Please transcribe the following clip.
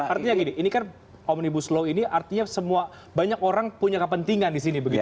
artinya gini ini kan omnibus law ini artinya semua banyak orang punya kepentingan di sini begitu ya